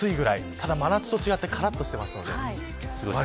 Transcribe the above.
ただ真夏と違って、からっとしています。